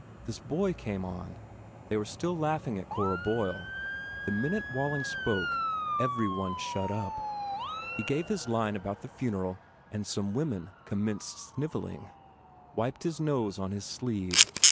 This boy came on. They were still laughing at Cora Boyle. The minute Walling spoke, every one shut up. He gave his line about the funeral and some women commenced snivelling. Wiped his nose on his sleeve.